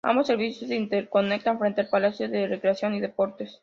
Ambos servicios se interconectan frente al Palacio de Recreación y Deportes.